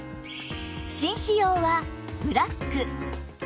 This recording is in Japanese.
紳士用はブラック